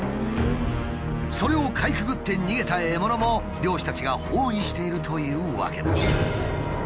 それをかいくぐって逃げた獲物も猟師たちが包囲しているというわけだ。